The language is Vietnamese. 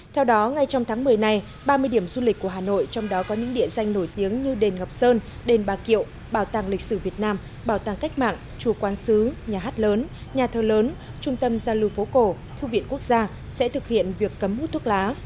theo đó ngay trong tháng một mươi này ba mươi điểm du lịch của hà nội trong đó có những địa danh nổi tiếng như đền ngọc sơn đền bà kiệu bảo tàng lịch sử việt nam bảo tàng cách mạng chùa quán sứ nhà hát lớn nhà thơ lớn trung tâm gia lưu phố cổ thu viện quốc gia sẽ thực hiện việc cấm hút thuốc lá